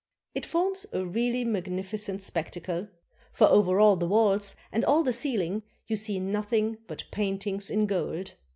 It forms a really magnificent spectacle, for over all the walls and all the ceiling you see nothing but paintings in gold.